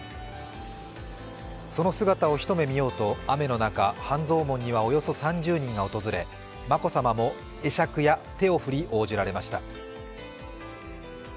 その姿を一目見ようと雨の中、半蔵門にはおよそ３０人が訪れ、眞子さまも会釈や手を振り応じられました。